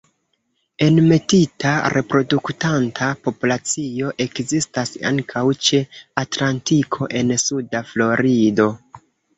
Enmetita reproduktanta populacio ekzistas ankaŭ ĉe Atlantiko en suda Florido.